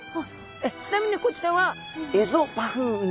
ちなみにこちらはエゾバフンウニちゃんですね。